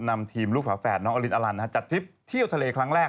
นำทีมลูกหัวแฝดอลิศอลันจัดที่เที่ยวทะเล